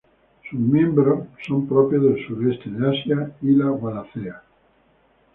Sus miembros son propios del sureste de Asia y la Wallacea.